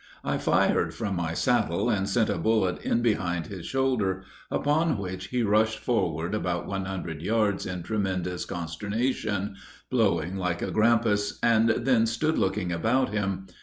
I fired from my saddle, and sent a bullet in behind his shoulder, upon which he rushed forward about one hundred yards in tremendous consternation, blowing like a grampus, and then stood looking about him.